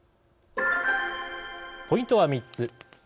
ポイントは３つ。